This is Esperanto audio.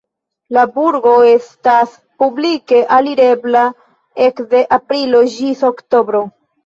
La burgo estas publike alirebla ekde aprilo ĝis oktobro.